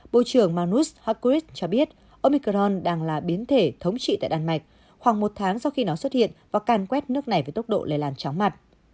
bộ trưởng manus hackrib cho biết omicron đang là biến thể thống trị tại đan mạch khoảng một tháng sau khi nó xuất hiện và càn quét nước này với tốc độ lây lan chóng mặt